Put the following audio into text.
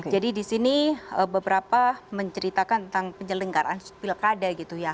di sini beberapa menceritakan tentang penyelenggaraan pilkada gitu ya